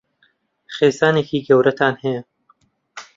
خێزانێکی گەورەتان هەیە؟